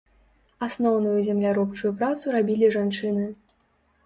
Асноўную земляробчую працу рабілі жанчыны.